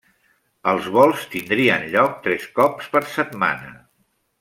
Els vols tindrien lloc tres cops per setmana.